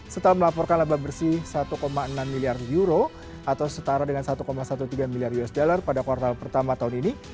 setelah melaporkan laba bersih satu enam miliar euro atau setara dengan satu tiga belas miliar usd pada kuartal pertama tahun ini